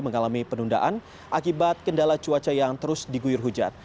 mengalami penundaan akibat kendala cuaca yang terus diguyur hujan